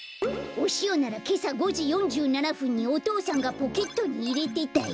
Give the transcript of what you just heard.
おしおならけさ５じ４７ふんにお父さんがポケットにいれてたよ。